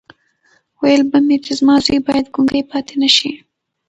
ويل به مې چې زما زوی بايد ګونګی پاتې نه شي.